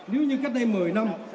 nếu như cách đây một mươi năm